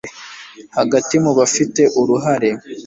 hagati mu bafite uruhare